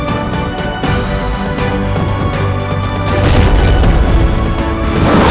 aku ingin memeducrimu